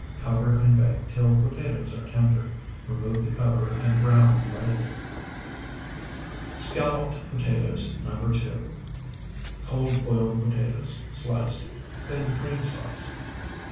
Cover and bake till potatoes are tender. Remove the cover and brown lightly. SCALLOPED POTATOES NO. 2 Cold, boiled potatoes, sliced. Thin cream sauce.